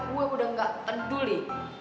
gue udah gak peduli